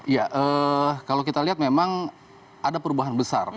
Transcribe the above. ya kalau kita lihat memang ada perubahan besar